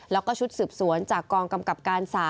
แล้วก็ชุดสืบสวนจากกองกำกับการ๓